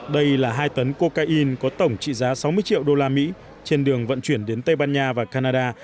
đây là hai tấn cocaine có tổng trị giá sáu mươi triệu usd trên đường vận chuyển đến tây ban nha và canada